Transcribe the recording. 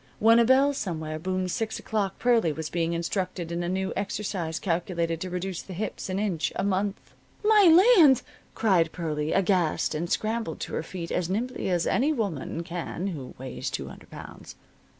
When a bell somewhere boomed six o'clock Pearlie was being instructed in a new exercise calculated to reduce the hips an inch a month. "My land!" cried Pearlie, aghast, and scrambled to her feet as nimbly as any woman can who weighs two hundred pounds.